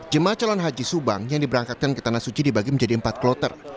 jemaah calon haji subang yang diberangkatkan ke tanah suci dibagi menjadi empat kloter